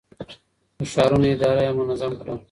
د ښارونو اداره يې منظم کړه.